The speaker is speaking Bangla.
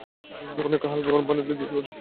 উনাকে হাল্কা গরম পানি দিতে বলেছি।